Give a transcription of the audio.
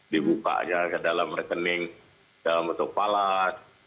dibuka aja ke dalam rekening dalam bentuk palas